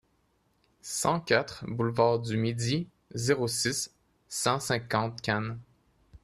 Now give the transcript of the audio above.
cent quatre boulevard du Midi, zéro six, cent cinquante Cannes